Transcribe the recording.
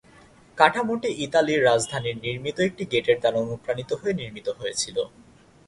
কাঠামোটি ইতালির রাজধানীর নির্মিত একটি গেটের দ্বারা অনুপ্রানিত হয়ে নির্মিত হয়েছিল।